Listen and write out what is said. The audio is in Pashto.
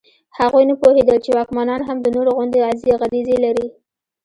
هغوی نه پوهېدل چې واکمنان هم د نورو غوندې غریزې لري.